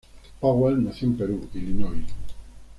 Powell nació en Peru, Illinois.